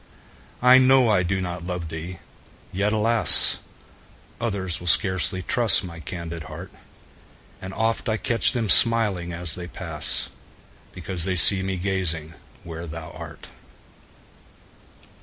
I know I do not love thee! yet, alas! Others will scarcely trust my candid heart; And oft I catch them smiling as they pass, Because they see me gazing where thou art.